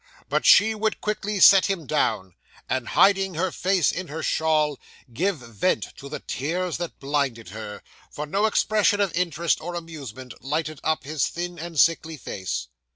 But she would quickly set him down, and hiding her face in her shawl, give vent to the tears that blinded her; for no expression of interest or amusement lighted up his thin and sickly face.